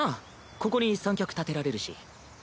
ここに三脚立てられるし。